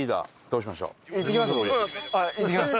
いってきます？